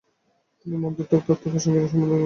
তিনি মধ্যমক তত্ত্বের প্রসঙ্গিকা সম্বন্ধে শিক্ষালাভ করেন।